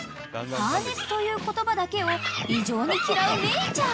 ［「ハーネス」という言葉だけを異常に嫌うメイちゃん］